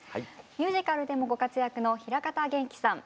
ミュージカルでもご活躍の平方元基さん。